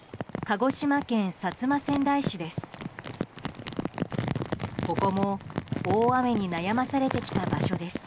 鹿児島県薩摩川内市です。